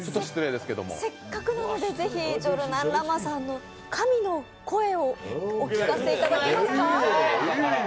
せっかくなのでぜひ、ジョルナン・ラマさんの神の声をお聴かせいただけますか。